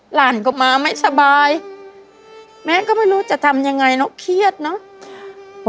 หลานก็มาไม่สบายแม่ก็ไม่รู้จะทำยังไงเนอะเครียดเนอะ